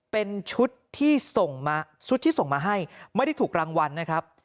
เป็นชุดที่ส่งมาชุดที่ส่งมาให้ไม่ได้ถูกรางวัลนะครับ